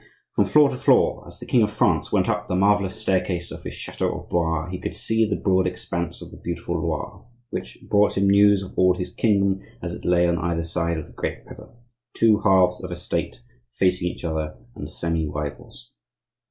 From floor to floor, as the king of France went up the marvellous staircase of his chateau of Blois, he could see the broad expanse of the beautiful Loire, which brought him news of all his kingdom as it lay on either side of the great river, two halves of a State facing each other, and semi rivals.